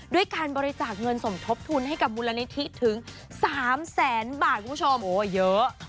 ด้วยการบริจาคเงินสมทบทุนให้กับมูลนิธิถึงสามแสนบาทคุณผู้ชมโอ้เยอะ